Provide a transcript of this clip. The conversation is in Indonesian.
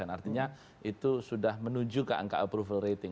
artinya itu sudah menuju ke angka approval rating